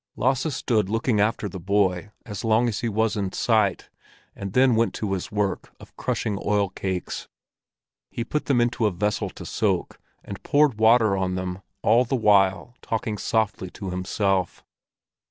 Lasse stood looking after the boy as long as he was in sight, and then went to his work of crushing oilcakes. He put them into a vessel to soak, and poured water on them, all the while talking softly to himself.